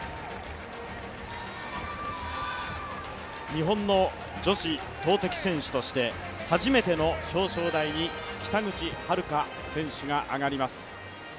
日本の女子投てき選手として初めての表彰台に北口榛花選手が上がります。